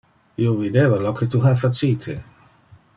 Io videva lo que tu ha facite.